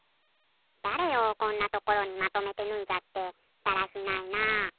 だれよこんなところにまとめてぬいじゃってだらしないな。